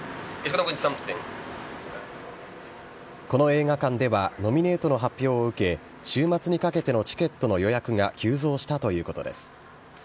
この映画館では、ノミネートの発表を受け、週末にかけてのチケットの予約が急増したということです。